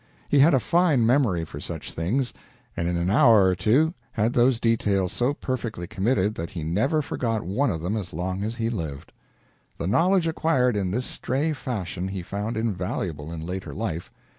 He had a fine memory for such things, and in an hour or two had those details so perfectly committed that he never forgot one of them as long as he lived. The knowledge acquired in this stray fashion he found invaluable in later life.